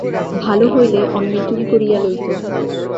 ভাল হইলে অন্যে চুরি করিয়া লইত।